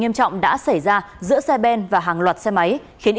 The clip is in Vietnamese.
xin chào và hẹn gặp lại